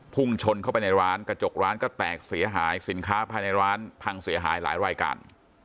พุ่งชนเข้าไปในร้านกระจกร้านก็แตกเสียหายสินค้าภายในร้านพังเสียหายหลายรายการ